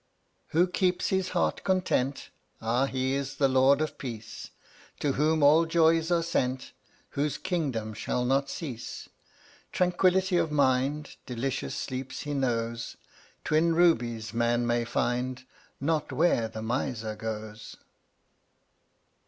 108 Who keeps his heart content, Ah, he is the Lord of Peace, To whom all joys are sent, Whose kingdom shall not cease. Tranquility of mind, Delicious sleeps he knows, Twin rubies man may find Not where the Miser goes.